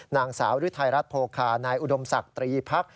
นางสาวฤทัยรัฐโพคานายอุดมศักดิ์ตรีพักษ